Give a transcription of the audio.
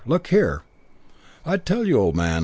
Look here ' "I tell you, old man